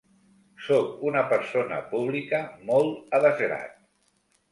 Sóc una persona pública molt a desgrat.